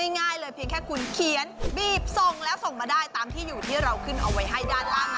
ง่ายเลยเพียงแค่คุณเขียนบีบส่งแล้วส่งมาได้ตามที่อยู่ที่เราขึ้นเอาไว้ให้ด้านล่างนะ